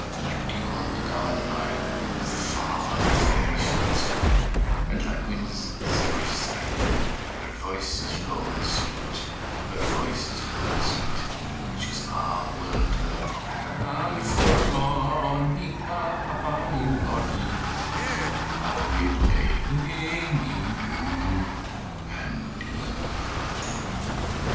Like dew on th' gowan lying, Is the fa' o' her fairy feet, And like winds in summer sighing Her voice is low and sweet. Her voice is low and sweet, And she's a' the world to me, And for bonnie Annie Laurie, I lay me doon and dee.